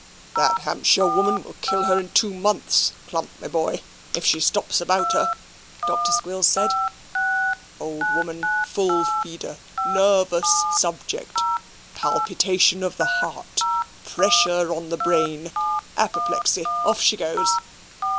"That Hampshire woman will kill her in two months, Clump, my boy, if she stops about her," Dr. Squills said. "Old woman; full feeder; nervous subject; palpitation of the heart; pressure on the brain; apoplexy; off she goes.